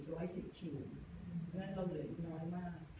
เพราะฉะนั้นเราเหลืออีกน้อยมาก